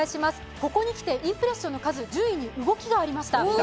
ここにきてインプレッションの数、順位に動きがありました。